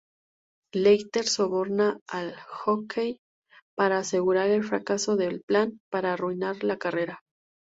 Leiter soborna al jockey para asegurar el fracaso del plan para arruinar la carrera.